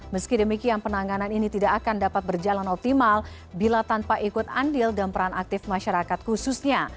meski demikian penanganan ini tidak akan dapat berjalan optimal bila tanpa ikut andil dan peran aktif masyarakat khususnya